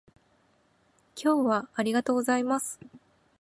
今日はありがとうございます